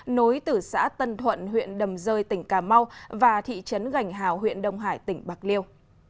nối từ xã tân thuận huyện đầm rơi tỉnh cà mau và thị trấn gành hào huyện đông hải tỉnh bạc liêu